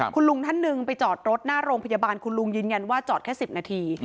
คุณลุงท่านหนึ่งไปจอดรถหน้าโรงพยาบาลคุณลุงยืนยันว่าจอดแค่๑๐นาที